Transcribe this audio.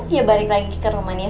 ya balik lagi ke rumahnya